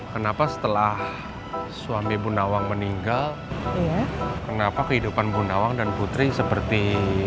kenapa setelah suami bu nawang meninggal kenapa kehidupan bu nawang dan putri seperti